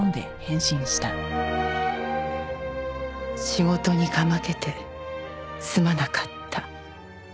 「仕事にかまけてすまなかった」